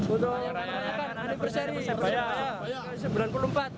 untuk merayakan aniversari perayaan seribu sembilan ratus sembilan puluh empat